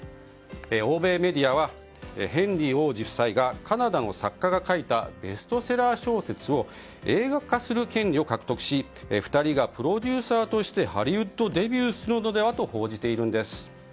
欧米メディアはヘンリー王子夫妻がカナダの作家が書いたベストセラー小説を映画化する権利を獲得し２人がプロデューサーとしてハリウッドデビューするのではと報じているんです。